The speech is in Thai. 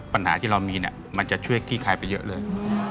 ปัญหาที่เรามีเนี่ยมันจะช่วยขี้คลายไปเยอะเลย